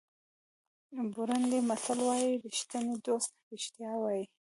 بورونډي متل وایي ریښتینی دوست رښتیا وایي.